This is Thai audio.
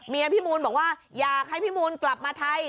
พี่มูลบอกว่าอยากให้พี่มูลกลับมาไทย